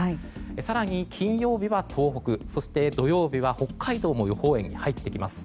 更に、金曜日は東北そして土曜日は北海道も予報円に入ってきます。